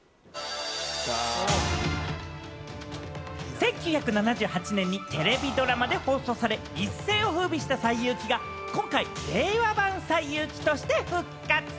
１９７８年にテレビドラマで放送され、一世を風靡した『西遊記』が今回、令和版『西遊記』として復活。